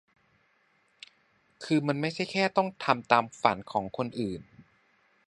คือมันไม่ใช่แค่ต้องทำตามฝันของคนอื่น